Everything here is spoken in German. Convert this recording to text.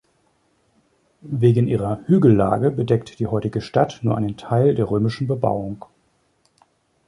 Wegen ihrer Hügellage bedeckt die heutige Stadt nur einen Teil der römischen Bebauung.